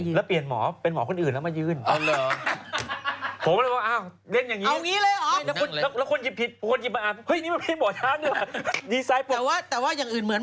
แล้วเปลี่ยนเป็นหมอคืนอื่นแล้วไม่ยืนอ๋อเหรอ